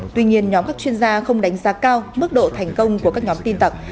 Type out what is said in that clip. tuy nhiên nhóm các chuyên gia không đánh giá cao mức độ thành công của các nhóm tin tặc